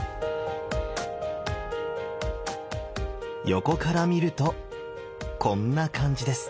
横から見るとこんな感じです。